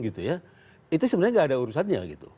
itu sebenarnya tidak ada urusannya